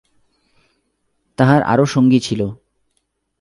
তাঁহার আরও সঙ্গী ছিল।